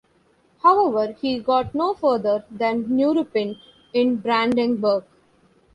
However, he got no further than Neuruppin in Brandenburg.